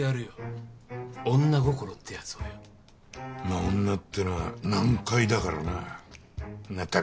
まあ女ってのは難解だからな。なあ？猛。